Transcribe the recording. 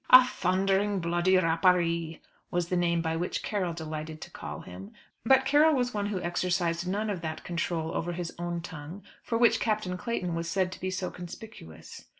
"A thundering bloody rapparee" was the name by which Carroll delighted to call him. But Carroll was one who exercised none of that control over his own tongue for which Captain Clayton was said to be so conspicuous.